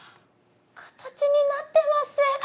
形になってます！